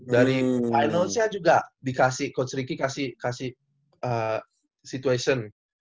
dari finalsnya juga dikasih coach ricky kasih situation